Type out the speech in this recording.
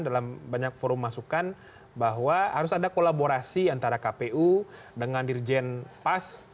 dalam banyak forum masukan bahwa harus ada kolaborasi antara kpu dengan dirjen pas